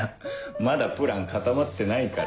まだプラン固まってないから。